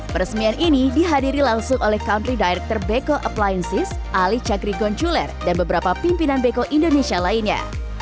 peresmian ini dihadiri langsung oleh country director beko appliensis ali cagri gonculer dan beberapa pimpinan beko indonesia lainnya